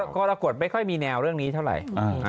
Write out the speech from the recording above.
กรกฎไม่ค่อยมีแนวเรื่องนี้เท่าไหร่